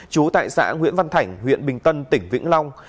chú tại xã nguyễn văn thành huyện bình tân tỉnh vĩnh long